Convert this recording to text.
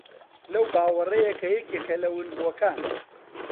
لەو باوەڕەیە کە یەکێکە لە ونبووەکان